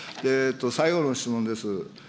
最後の質問です。